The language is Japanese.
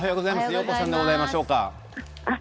よーこさんでございましょうか。